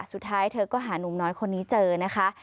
สุดท้ายเธอก็หานุ่มน้อยคนนี้เจอนะคะ